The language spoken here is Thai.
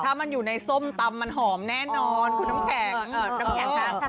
ถ้ามันอยู่ในส้มตำมันหอมแน่นอนคุณน้ำแข็ง